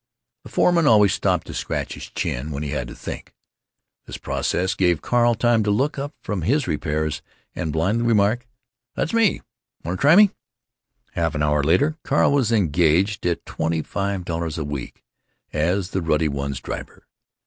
The foreman always stopped to scratch his chin when he had to think. This process gave Carl time to look up from his repairs and blandly remark: "That's me. Want to try me?" Half an hour later Carl was engaged at twenty five dollars a week as the Ruddy One's driver.